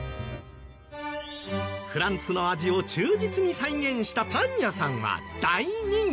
フランスの味を忠実に再現したパン屋さんは大人気で。